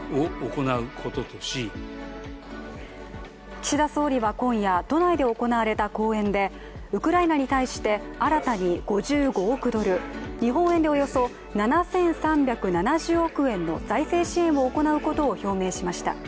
岸田総理は今夜、都内で行われた講演でウクライナに対して新たに５５億ドル、日本円でおよそ７３７０億円の財政支援を行うことを表明しました。